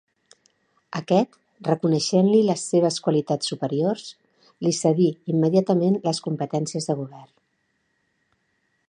Aquest, reconeixent-li les seves qualitats superiors, li cedí immediatament les competències de govern.